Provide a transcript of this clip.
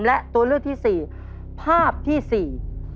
และตัวเลือกที่สี่ภาพที่สี่